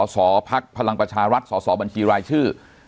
สอบภรังประชารักษ์สอบบัญชีรายชื่อ